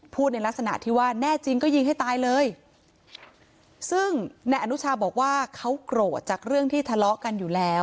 พูดในลักษณะที่ว่าแน่จริงก็ยิงให้ตายเลย